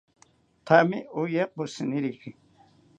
Thame oya pishiniriki